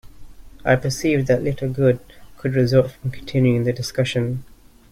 I perceived that little good could result from continuing the discussion.